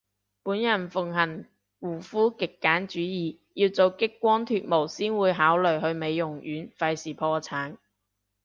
本人奉行護膚極簡主義，要做激光脫毛先會考慮去美容院，廢事破產